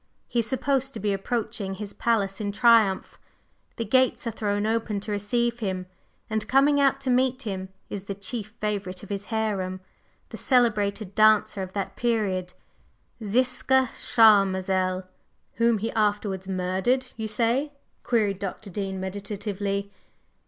He is supposed to be approaching his palace in triumph; the gates are thrown open to receive him, and coming out to meet him is the chief favorite of his harem, the celebrated dancer of that period Ziska Charmazel." "Whom he afterwards murdered, you say?" queried Dr. Dean meditatively.